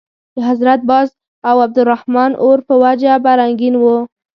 د حضرت باز او عبدالرحمن اور په وجه به رنګین وو.